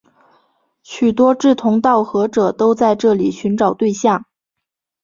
许多志同道合者都在这里寻找对象。